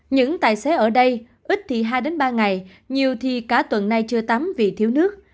những tài xế ở đây ít thì hai ba ngày nhiều thì cả tuần nay chưa tắm vì thiếu nước